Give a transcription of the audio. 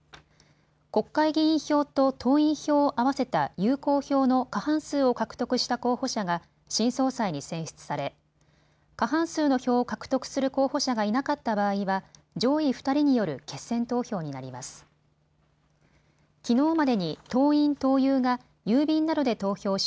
国会議員票と党員票を合わせた有効票の過半数を獲得した候補者が新総裁に選出され過半数の票を獲得する候補者がいなかった場合は上位２人による決選投票になります。